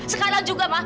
sekarang juga ma